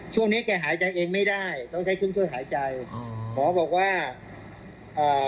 ช่วงนี้แกหายใจเองไม่ได้ต้องใช้เครื่องช่วยหายใจอืมหมอบอกว่าอ่า